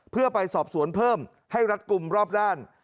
เพื่อไปสอบสวนเพิ่มให้รัดกลุ่มรอบด้าน